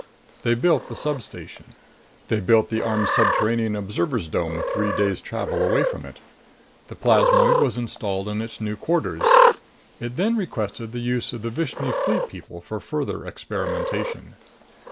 They built the substation. They built the armed subterranean observer's dome three days' travel away from it. The plasmoid was installed in its new quarters. It then requested the use of the Vishni Fleet people for further experimentation.